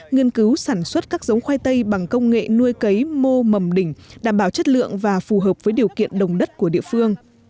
nghiên cứu sản xuất các giống khoai tây bằng công nghệ nuôi cấy mô mầm đỉnh đảm bảo chất lượng và phù hợp với điều kiện đồng đất của địa phương